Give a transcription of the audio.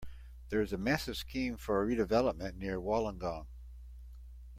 There is a massive scheme for redevelopment near Wollongong.